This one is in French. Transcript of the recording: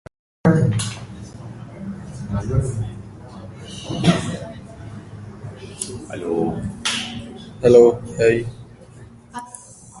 Jack-o'-lantern est probablement le personnage le plus populaire associé à Halloween.